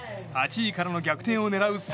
８位からの逆転を狙う